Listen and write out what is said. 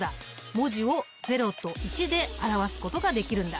文字を０と１で表すことができるんだ。